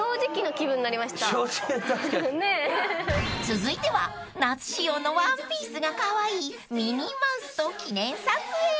［続いては夏仕様のワンピースがカワイイミニーマウスと記念撮影］